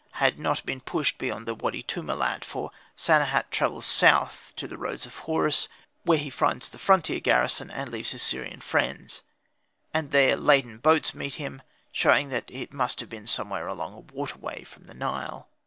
had not been pushed beyond the Wady Tumilat; for Sanehat travels south to the Roads of Horus, where he finds the frontier garrison, and leaves his Syrian friends; and there laden boats meet him, showing that it must have been somewhere along a waterway from the Nile.